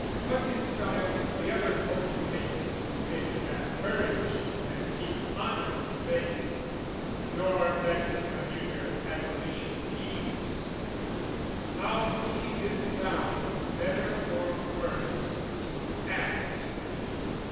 what's his style, the other potentate Who bids have courage and keep honour safe, Nor let minuter admonition teaze? How he is bound, better or worse, to act.